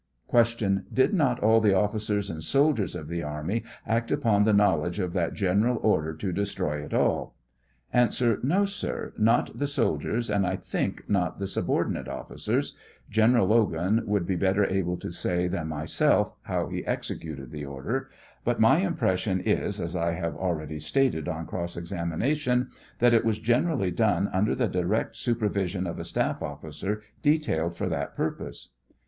Q. Did not all the ofScers and soldiers of the army act upon the knowledge of that general order to destroy it all ? A. No, sir ; not the soldiers, and I think not the sub ordinate officers; General Logan would be better able to say than myself how he executed the order ; but my impression is, as I have already stated on cross exami nation, that it was generally done under the direct supervision of a staff officer detailed for that purpose.